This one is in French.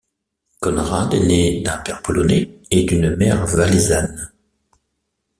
Konrad est né d'un père polonais et d'une mère valaisanne.